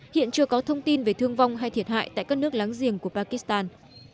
hiện chưa có thông tin về thương vong hay thiệt hại tại các nước láng giềng của pakistan